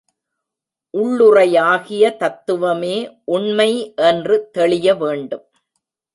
உள்ளுறையாகிய தத்துவமே உண்மை என்று தெளிய வேண்டும்.